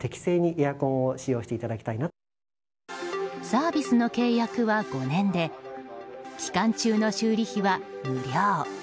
サービスの契約は５年で期間中の修理費は無料。